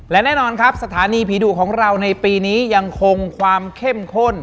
และแน่นอนครับสถานีผีดุของเราในปีนี้ยังคงความเข้มข้น